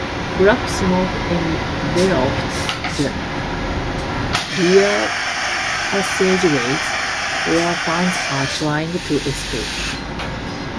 Black smoke enveloped the rear passageways, where fans were trying to escape.